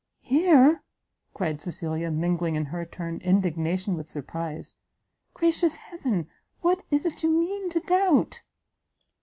"Here!" cried Cecilia, mingling, in her turn, indignation with surprise, "gracious heaven! what is it you mean to doubt?"